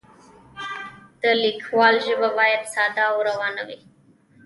د لیکوال ژبه باید ساده او روانه وي.